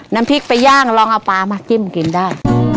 น้ำพริกไปย่างลองเอาปลามาจิ้มกินได้